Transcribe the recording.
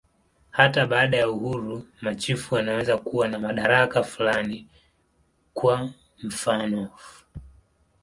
Hata baada ya uhuru, machifu wanaweza kuwa na madaraka fulani, kwa mfanof.